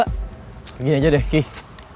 kenapa noblenya rgb duktrinya